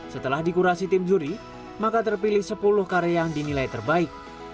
setelah dikurasi tim juri maka terpilih sepuluh karya yang dinilai terbaik